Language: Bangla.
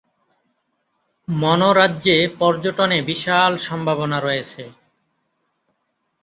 মন রাজ্যে পর্যটনে বিশাল সম্ভাবনা রয়েছে।